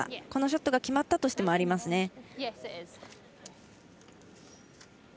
このショットが決まったとしてもまだありますね。